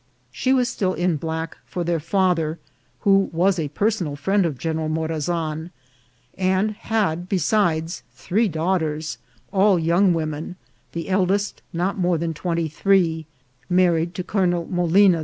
She was still in black for their father, who was a personal friend of General Morazan, and had, besides, three daughters, all young women, the eldest not more than twenty three, married to Colonel Molina, TIDINGS OF DISASTER.